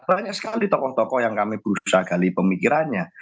banyak sekali tokoh tokoh yang kami berusaha gali pemikirannya